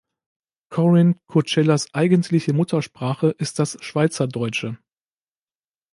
Corin Curschellas eigentliche Muttersprache ist das Schweizerdeutsche.